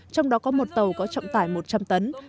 trong đó có một tàu có trọng tải một trăm linh tấn